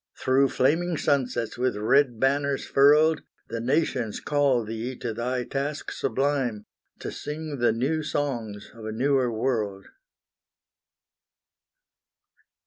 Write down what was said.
Through flaming sunsets with red banners furled, The nations call thee to thy task sublime, To sing the new songs of a newer world!